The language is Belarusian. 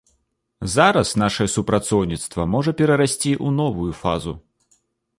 Зараз нашае супрацоўніцтва можа перарасці ў новую фазу.